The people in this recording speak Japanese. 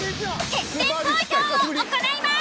決選投票を行います。